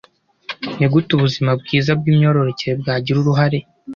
. Ni gute ubuzima bwiza bw’imyororokere bwagira uruhare